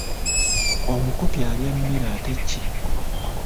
Omukopi alya mmere ate ki?